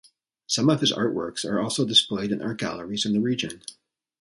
Some of his art works are also displayed in art galleries in the region.